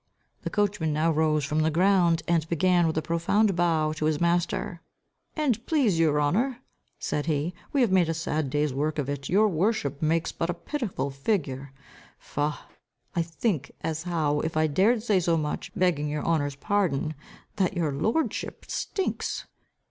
The coachman now rose from the ground, and began with a profound bow to his master. "And please your honour," said he, "we have made a sad day's work of it. Your worship makes but a pitiful figure. Faugh! I think as how, if I dared say so much, begging your honour's pardon, that your lordship stinks."